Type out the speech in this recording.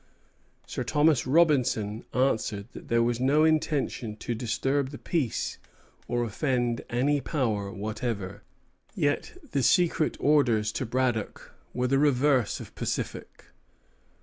Sir Thomas Robinson answered that there was no intention to disturb the peace or offend any Power whatever; yet the secret orders to Braddock were the reverse of pacific.